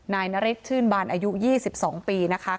นายนฤทธิชื่นบานอายุ๒๒ปีนะคะ